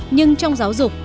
nhưng trong giáo dục